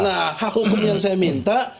nah hak hukum yang saya minta